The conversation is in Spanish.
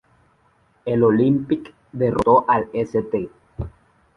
El Olympic derrotó al St.